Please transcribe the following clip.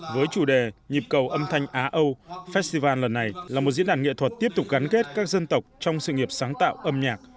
với chủ đề nhịp cầu âm thanh á âu festival lần này là một diễn đàn nghệ thuật tiếp tục gắn kết các dân tộc trong sự nghiệp sáng tạo âm nhạc